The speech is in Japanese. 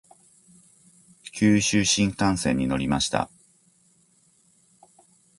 九州新幹線に乗りました。